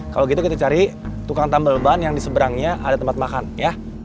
kalau gitu kita cari tukang tambal ban yang diseberangnya ada tempat makan ya